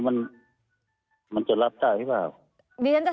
มันมันจะรับได้หรือเปล่า